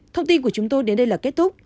thông tin của chúng tôi đến đây là kết thúc